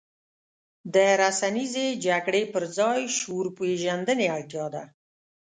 د رسنیزې جګړې پر ځای شعور پېژندنې اړتیا ده.